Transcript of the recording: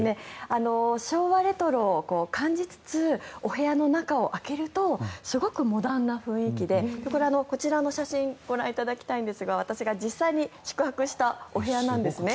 昭和レトロを感じつつお部屋の中を開けるとすごくモダンな雰囲気でこちらの写真ご覧いただきたいんですが私が実際に宿泊したお部屋なんです。